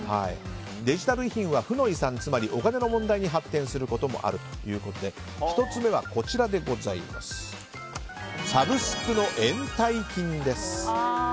デジタル遺品は負の遺産つまりお金の問題に発展することもあるということで１つ目は、サブスクの延滞金です。